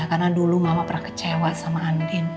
karena dulu mama pernah kecewa sama andin